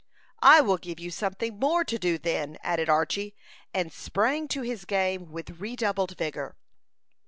"I will give you something more to do, then," added Archy, and sprang to his game with redoubled vigor.